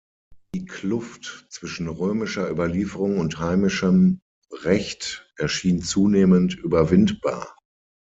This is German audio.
Die Kluft zwischen römischer Überlieferung und heimischem Recht erschien zunehmend überwindbar.